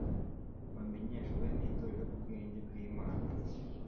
bamenyeshwe n'itorero ubwenge bw'Imana,